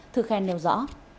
thư khen nêu rõ